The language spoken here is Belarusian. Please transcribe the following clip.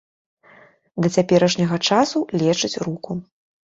Да цяперашняга часу лечыць руку.